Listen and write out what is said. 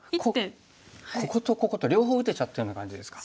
こことここと両方打てちゃったような感じですか。